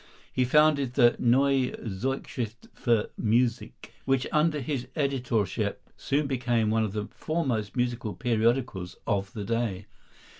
He founded the "Neue Zeitschrift für Musik," which under his editorship soon became one of the foremost musical periodicals of the day.